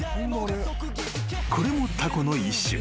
［これもタコの一種］